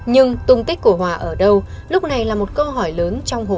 nhưng tung tích của hòa ở đâu lúc này là một câu hỏi lớn trong hồ sơ vụ án